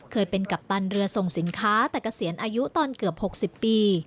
เคยเป็นกัปตันเรือส่งสินค้าแต่เกษียณอายุตอนเกือบ๖๐ปี